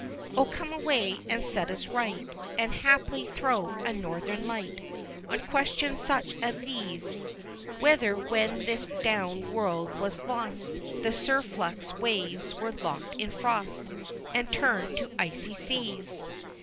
XXV. O come away, and set us right, And, haply, throw a northern light On questions such as these: Whether, when this drown'd world was lost. The surflux waves were lock'd in frost, And turned to Icy Seas!